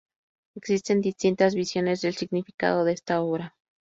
Existen distintas visiones del significado de esta obra.